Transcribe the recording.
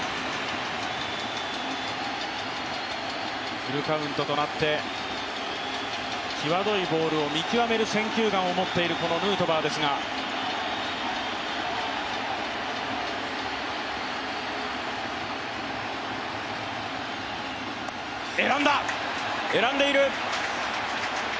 フルカウントとなって際どいボールを見極める選球眼を持っているこのヌートバーですが、選んだ、選んでいる！